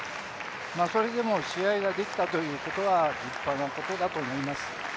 それでも試合ができたということは立派なことだと思います。